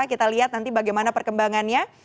kita lihat nanti bagaimana perkembangannya